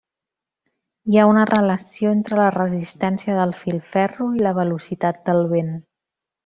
Hi ha una relació entre la resistència del filferro i la velocitat del vent.